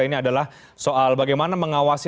ini adalah soal bagaimana mengawasi